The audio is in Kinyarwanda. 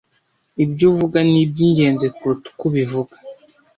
Ibyo uvuga nibyingenzi kuruta uko ubivuga.